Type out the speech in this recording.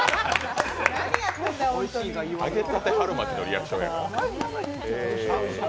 揚げ春巻きのリアクションやから。